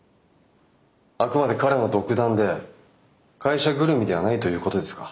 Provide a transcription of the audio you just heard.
あくまで彼の独断で会社ぐるみではないということですか？